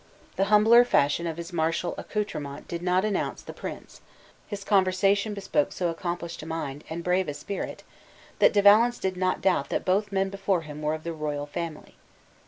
The humbler fashion of his martial accouterment did not announce the prince; but his carriage was so noble, his conversation bespoke so accomplished a mind, and brave a spirit, that De Valence did not doubt that both men before him were of the royal family.